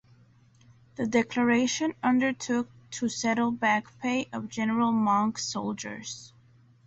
The declaration undertook to settle back-pay of General Monck's soldiers.